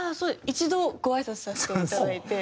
一度ごあいさつさせていただいて。